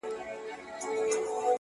بزم دی پردی پردۍ نغمې پردۍ سندري دي,